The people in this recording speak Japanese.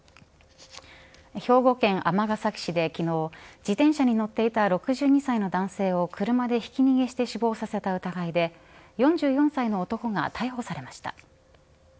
兵庫県尼崎市で昨日自転車に乗っていた６２歳の男性を車でひき逃げして死亡させた疑いで４４歳の男が逮捕されました。